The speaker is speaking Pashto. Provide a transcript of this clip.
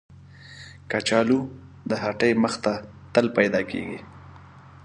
کچالو د هټۍ مخ ته تل پیدا کېږي